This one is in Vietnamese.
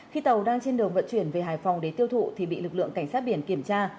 khi tàu đang trên đường vận chuyển về hải phòng để tiêu thụ thì bị lực lượng cảnh sát biển kiểm tra